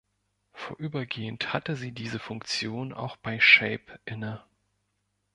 Vorübergehend hatte sie diese Funktion auch bei Shape inne.